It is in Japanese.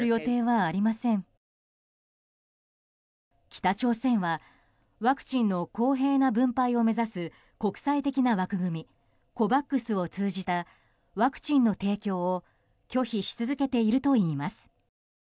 北朝鮮はワクチンの公平な分配を目指す国際的な枠組みＣＯＶＡＸを通じたワクチンの提供を拒否し続けているといいます。